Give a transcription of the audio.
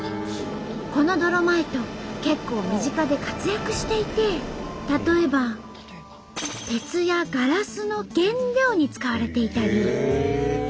このドロマイト結構身近で活躍していて例えば鉄やガラスの原料に使われていたり。